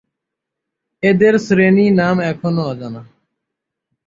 এদের শ্রেণী-নাম এখনও অজানা